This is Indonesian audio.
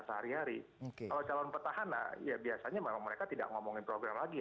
kalau calon pertahanan ya biasanya mereka tidak ngomongin program lagi